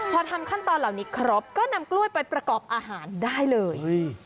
พอทำขั้นตอนเหล่านี้ครบก็นำกล้วยไปประกอบอาหารได้เลย